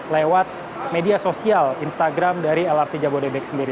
lewat media sosial instagram dari lrt jabodebek sendiri